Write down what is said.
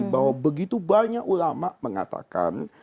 bahwa begitu banyak ulama mengatakan